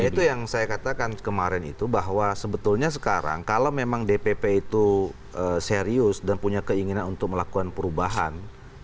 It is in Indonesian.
ya itu yang saya katakan kemarin itu bahwa sebetulnya sekarang kalau memang dpp itu serius dan punya keinginan untuk melakukan perubahan